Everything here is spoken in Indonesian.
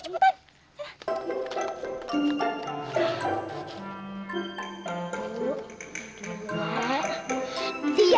satu dua tiga